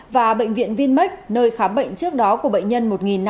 và bệnh viện vinmec nơi khám bệnh trước đó của bệnh nhân một năm trăm năm mươi ba